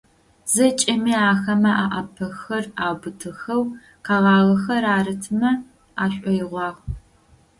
ЗэкӀэми ахэмэ alaпэхэр аубытыхэу, къэгъагъэхэр аратымэ ашӀоигъуагъ.